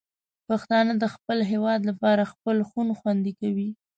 پښتانه د خپل هېواد لپاره خپل خون خوندي کوي.